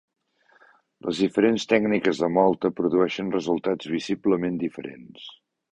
Les diferents tècniques de mòlta produeixen resultats visiblement diferents.